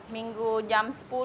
minggu jam sepuluh